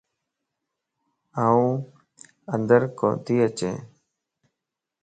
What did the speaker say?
آن اندر ڪوتي اچين